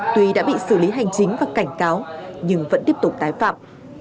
tuy đã bị xử lý hành chính và cảnh cáo nhưng vẫn tiếp tục tái phạm